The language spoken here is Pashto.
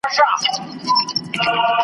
انتیکه خوشحاله وو